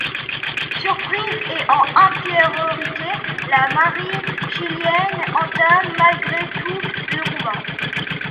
Surprise et en infériorité, la Marine chilienne entame malgré tout le combat.